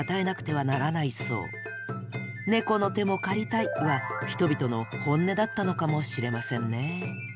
「猫の手も借りたい」は人々の本音だったのかもしれませんね。